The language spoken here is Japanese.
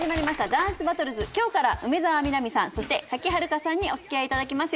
『ダンスバトルズ』今日から梅澤美波さんそして賀喜遥香さんにお付き合いいただきます。